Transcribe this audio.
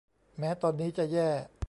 แม้ตอนนี้จะแย่